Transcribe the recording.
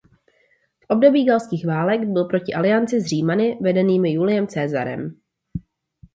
V období galských válek byl proti alianci s Římany vedenými Juliem Caesarem.